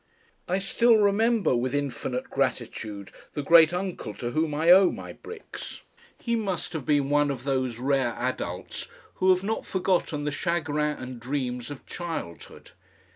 I still remember with infinite gratitude the great uncle to whom I owe my bricks. He must have been one of those rare adults who have not forgotten the chagrins and dreams of childhood.